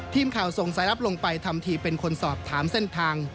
ทีมข่าวส่งสายลับลงไปทำทีเป็นคนสอบถามเส้นทาง